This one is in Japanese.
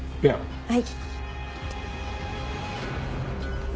はい。